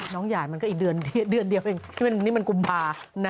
หยาดมันก็อีกเดือนเดียวเองนี่มันกุมภา